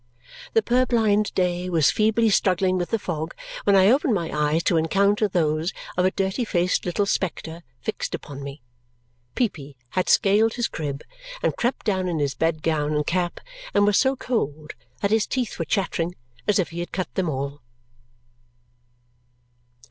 The purblind day was feebly struggling with the fog when I opened my eyes to encounter those of a dirty faced little spectre fixed upon me. Peepy had scaled his crib, and crept down in his bed gown and cap, and was so cold that his teeth were chattering as if he had cut them all.